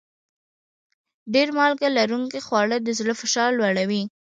ډېر مالګه لرونکي خواړه د زړه فشار لوړوي.